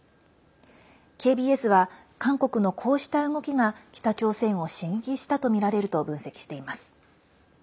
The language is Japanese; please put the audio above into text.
ＫＢＳは韓国のこうした動きが北朝鮮を刺激したとみられると分析しています。